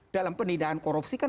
dalam penindahan korupsi kan